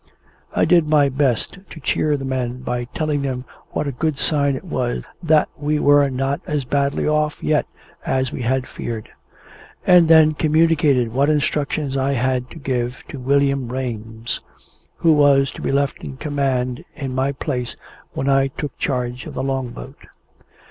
I did my best to cheer the men by telling them what a good sign it was that we were not as badly off yet as we had feared; and then communicated what instructions I had to give, to William Rames, who was to be left in command in my place when I took charge of the Long boat.